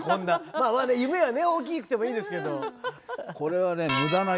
まあね夢は大きくてもいいですけど。